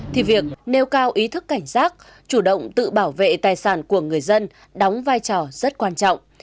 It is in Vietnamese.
thì việc nêu cao ý thức cảnh giác chủ động tự bảo vệ tài sản của người dân đóng vai trò rất quan trọng